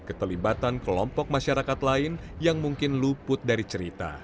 keterlibatan kelompok masyarakat lain yang mungkin luput dari cerita